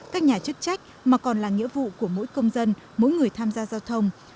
các nhà chức trách mà còn là nghĩa vụ của mỗi công dân mỗi người tham gia giao thông